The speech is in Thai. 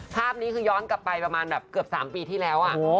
ภาพนี้คือย้อนกลับไปประมาณแบบเกือบ๓ปีที่แล้ว